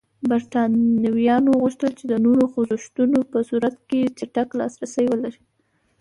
برېټانویانو غوښتل چې د نورو خوځښتونو په صورت کې چټک لاسرسی ولري.